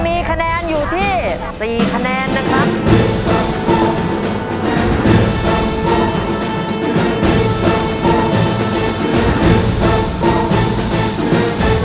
มีคะแนนอยู่ที่๔คะแนนนะครับ